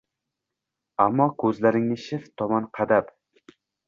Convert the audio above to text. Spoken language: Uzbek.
Ammo ko’zlaringni shift tomon qadab